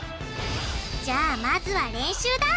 じゃあまずは練習だ！